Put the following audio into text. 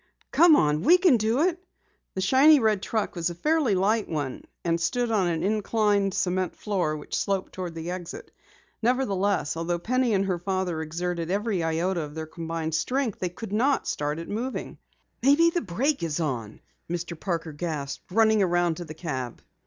"Come on, we can do it!" The shiny red truck was a fairly light one and stood on an inclined cement floor which sloped toward the exit. Nevertheless, although Penny and her father exerted every iota of their combined strength, they could not start it moving. "Maybe the brake is on!" Mr. Parker gasped, running around to the cab.